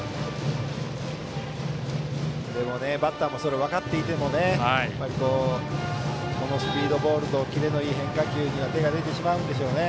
でも、バッターもそれを分かっていてもこのスピードボールとキレのいい変化球には手が出てしまうんでしょうね。